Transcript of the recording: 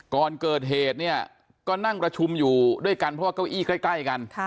ก่อนเกิดเหตุเนี่ยก็นั่งประชุมอยู่ด้วยกันเพราะว่าเก้าอี้ใกล้กัน